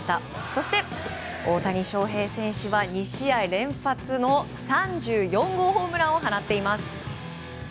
そして、大谷翔平選手は２試合連発の３４号ホームランを放っています。